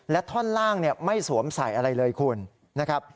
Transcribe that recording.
และท่อนล่างไม่สวมใส่อะไรเลยคุณนะครับ